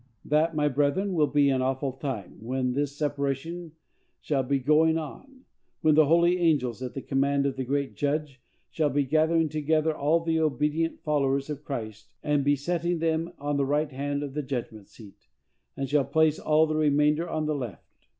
That, my brethren, will be an awful time, when this separation shall be going on; when the holy angels, at the command of the great Judge, shall be gathering together all the obedient followers of Christ, and be setting them on the right hand of the Judgment seat, and shall place all the remainder on the left.